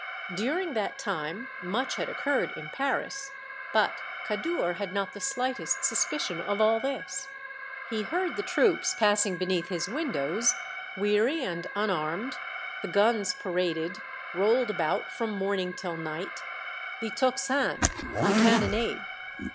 During that time much had occurred in Paris, but Kadour had not the slightest suspicion of all this. He heard the troops passing beneath his windows, weary and un armed, the guns paraded, rolled about from morn ing till night, the tocsin, the cannonade.